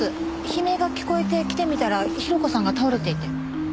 悲鳴が聞こえて来てみたら広子さんが倒れていて。